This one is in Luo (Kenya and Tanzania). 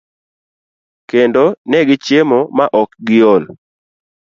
kendo ne gichiemo ma ok giol.